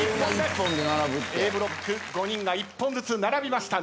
Ａブロック５人が１本ずつ並びました。